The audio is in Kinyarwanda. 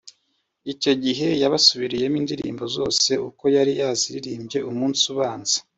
Icyo gihe yabasubiriyemo indirimbo zose uko yari yaziririmbye umunsi ubanza